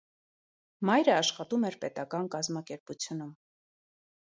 Մայրը աշխատում էր պետական կազմակերպությունում։